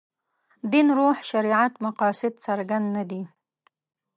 دین روح شریعت مقاصد څرګند نه دي.